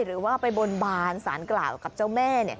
หรือว่าไปบนบานสารกล่าวกับเจ้าแม่